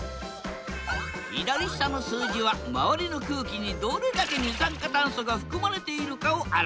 左下の数字は周りの空気にどれだけ二酸化炭素が含まれているかを表している。